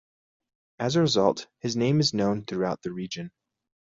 As a result, his name is known throughout the region.